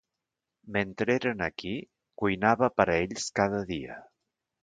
Mentre eren aquí, cuinava per a ells cada dia.